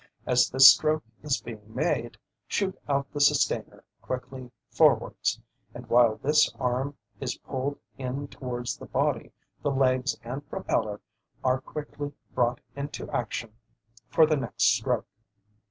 As this stroke is being made, shoot out the sustainer quickly forwards, and while this arm is pulled in towards the body the legs and propeller are quickly brought into action for the next stroke.